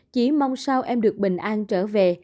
chỉ mong sao em được bình an trở về